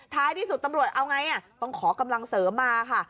ท้ายที่สุดตำรวจเอาไงต้องขอกำลังเสริมมาค่ะ